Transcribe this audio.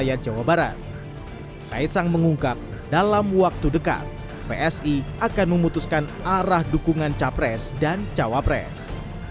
bahwa para ketua mumpar pol koalisi indonesia mekong di pilpres dua ribu dua puluh empat